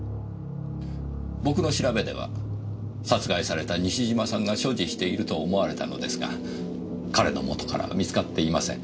僕の調べでは殺害された西島さんが所持していると思われたのですが彼のもとからは見つかっていません。